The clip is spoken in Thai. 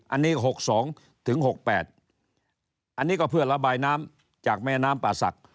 อันนี้หกสองถึงหกแปดอันนี้ก็เพื่อระบายน้ำจากแม่น้ำปาศักดิ์